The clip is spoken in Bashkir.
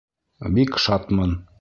Бик шатмын!